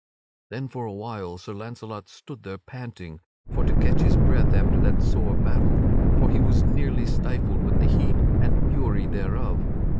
Then for a while Sir Launcelot stood there panting for to catch his breath after that sore battle, for he was nearly stifled with the heat and fury thereof.